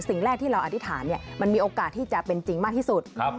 สิ่งแรกที่เราอธิษฐานมันมีโอกาสที่จะเป็นจริงมากที่สุด